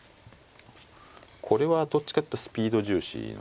これはどっちかっていうとスピード重視の手ですね。